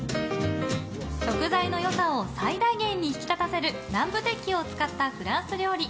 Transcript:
食材の良さを最大限に引き立たせる南部鉄器を使ったフランス料理。